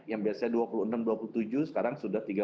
yang biasanya dua puluh enam dua puluh tujuh sekarang sudah tiga puluh